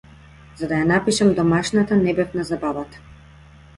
За да ја напишам домашната не бев на забавата.